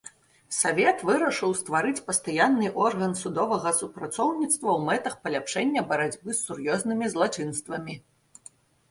Савет вырашыў стварыць пастаянны орган судовага супрацоўніцтва ў мэтах паляпшэння барацьбы з сур'ёзнымі злачынствамі.